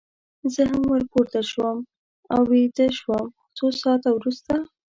زه هم ور پورته شوم او ویده شوم، څو ساعته وروسته.